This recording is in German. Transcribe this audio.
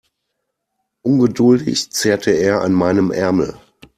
Ungeduldig zerrte er an meinem Ärmel.